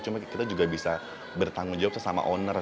cuma kita juga bisa bertanggung jawab sesama owner